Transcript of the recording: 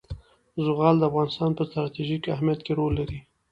زغال د افغانستان په ستراتیژیک اهمیت کې رول لري.